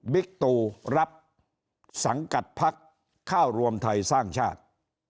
ตูรับสังกัดพักข้าวรวมไทยสร้างชาติ